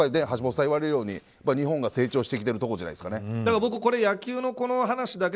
橋下さんが言われるように日本が成長してきている感じしますね。